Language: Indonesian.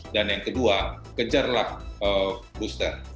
dan yang kedua kejarlah booster